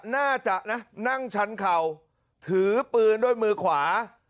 น่าจะนะนั่งชั้นเข่าถือปืนด้วยมือขวา